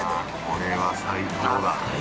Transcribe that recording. ◆これは最高。